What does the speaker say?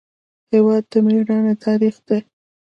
هېواد د میړانې تاریخ دی.